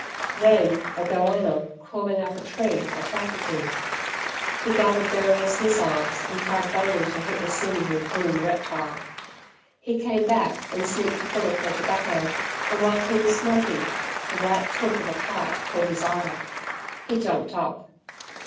Then a "goanner" crawling up a tree attracted him. He gathered various missiles and tried vainly to hit the seemingly grinning reptile. He came back and sneaked a fill of her tobacco, and while he was smoking, the white tilt of a cart caught his eye. He jumped up.